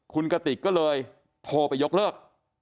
คุณกติกก็เลยโทรไปยกเลิก